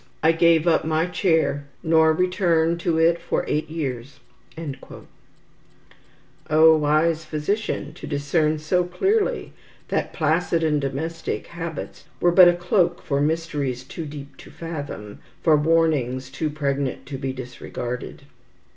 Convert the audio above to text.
I gave up my chair, nor returned to it for eight years." Oh, wise physician, to discern so clearly that "placid and domestic habits" were but a cloak for mysteries too deep to fathom, for warnings too pregnant to be disregarded.